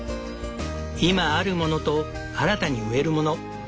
今あるものと新たに植えるもの。